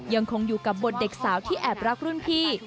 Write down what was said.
ยังคงอยู่กับบทเด็กสาวที่แอบรักรุ่นพี่